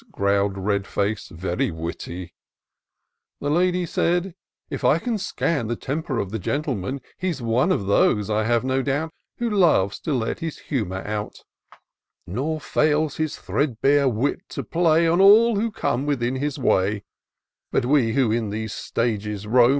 growl'd Red face, " very witty !" The lady said, "If I can scan The temper of the gentleman, He's one of those, I have no doubt^ Who loves to let his hiunour out ; Nor fSedls his thread bare wit to play On all who come within his way : But we, who in these stages roam.